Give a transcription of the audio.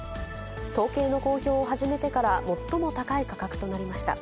統計の公表を始めてから最も高い価格となりました。